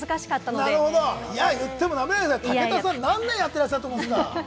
でも武田さん、何年やってらっしゃると思うんですか！